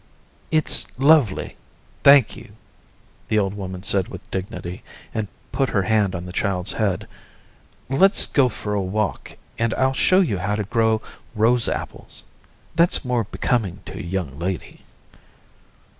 "It's lovely. Thank you," the old woman said with dignity, and put her hand on the child's head. "Let's go for a walk and I'll show you how to grow rose apples. That's more becoming to a young lady."